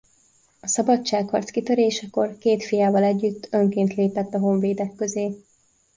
A szabadságharc kitörésekor két fiával együtt önként lépett a honvédek közé.